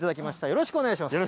よろしくお願いします。